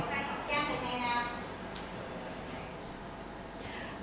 liên quan đến vụ việc này